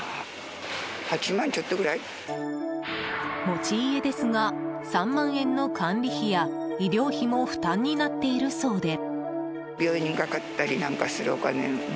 持ち家ですが３万円の管理費や医療費も負担になっているそうで。